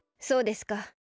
そうですか。